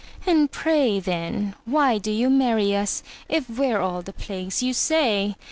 And pray, then, why do you marry us, If we're all the plagues you say?